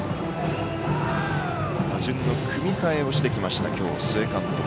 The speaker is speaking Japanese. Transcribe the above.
打順の組み替えをしてきました今日、須江監督。